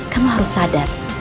kamu harus sadar